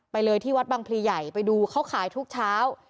เลยที่วัดบังพลีใหญ่ไปดูเขาขายทุกเช้า